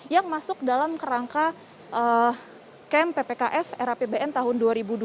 yang masuk dalam kerangka kem ppkf era pbn tahun dua ribu dua puluh dua